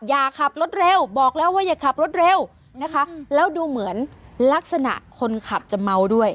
อย่าขับรถเร็วบอกแล้วว่าอย่าขับรถเร็วนะคะแล้วดูเหมือนลักษณะคนขับจะเมาด้วย